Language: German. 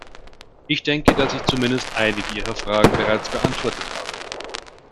Ich denke, dass ich zumindest einige Ihrer Fragen bereits beantwortet habe.